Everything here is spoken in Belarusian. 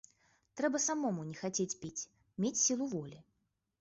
Трэба самому не хацець піць, мець сілу волі.